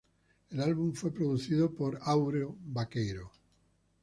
El álbum fue producido por Áureo Baqueiro.